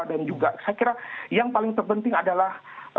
dan juga saya kira yang paling terpenting adalah